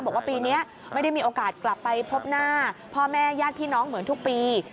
บอกว่าปีนี้ไม่ได้มีโอกาสกลับไปพบหน้าพ่อแม่ญาติพี่น้องเหมือนทุกปี